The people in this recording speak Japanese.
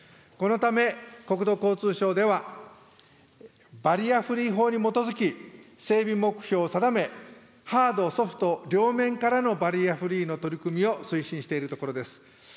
このため、国土交通省では、バリアフリー法に基づき、整備目標を定め、ハード、ソフト両面からのバリアフリーの取り組みを推進しているところです。